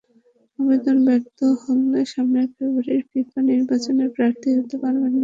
আবেদন ব্যর্থ হলে সামনের ফেব্রুয়ারির ফিফা নির্বাচনে প্রার্থী হতে পারবেন না।